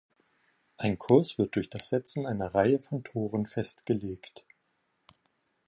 Ein Kurs wird durch das Setzen einer Reihe von Toren festgelegt.